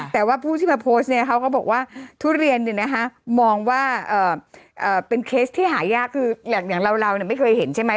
แต่ว่าผู้ที่มาโพสต์เนี่ยเขาก็บอกว่าทุเรียนมองว่าเป็นเคสที่หายากคืออย่างเราไม่เคยเห็นใช่ไหม